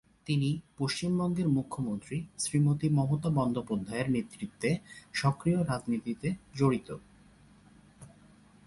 তিনি পশ্চিমবঙ্গের মুখ্যমন্ত্রী, শ্রীমতি মমতা বন্দ্যোপাধ্যায়ের নেতৃত্বে সক্রিয় রাজনীতিতে জড়িত।